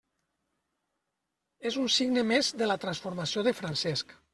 És un signe més de la transformació de Francesc.